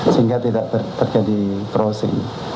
sehingga tidak terjadi crossing